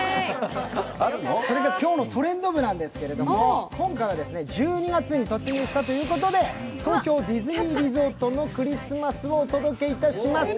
それが今日の「トレンド部」なんですけれども、１２月に突入したということで、東京ディズニーリゾートのクリスマスをお届けいたします。